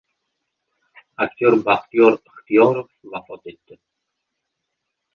Aktyor Baxtiyor Ixtiyorov vafot etdi